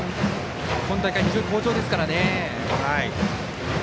今大会、非常に好調です。